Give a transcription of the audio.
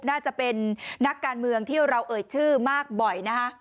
น่าจะเป็นนักการเมืองที่เราเอ่ยชื่อมากบ่อยนะคะ